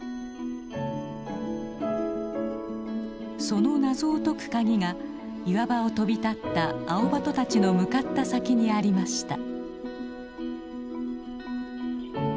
その謎を解く鍵が岩場を飛び立ったアオバトたちの向かった先にありました。